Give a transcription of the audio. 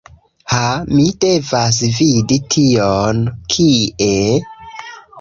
Ha mi devas vidi tion, kie?